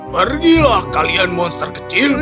pergilah kalian monster kecil